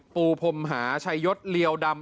ปูพรมหาชัยยศเลียวดำ